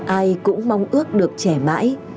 ai cũng mong ước được trẻ mãi